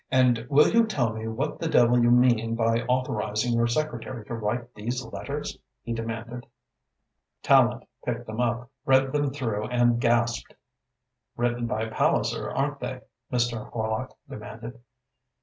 "And will you tell me what the devil you mean by authorising your secretary to write these letters?" he demanded. Tallente picked them up, read them through and gasped. "Written by Palliser, aren't they?" Mr. Horlock demanded.